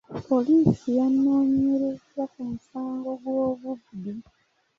Poliisi yanoonyerezza ku musango gw'obubbi .